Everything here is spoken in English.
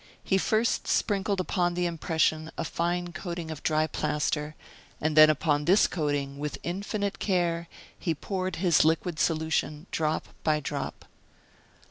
He first sprinkled upon the impression a fine coating of dry plaster, and then upon this coating, with infinite care, he poured his liquid solution drop by drop.